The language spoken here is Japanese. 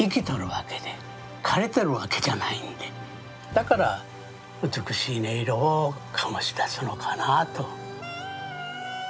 だから美しい音色を醸し出すのかなぁと。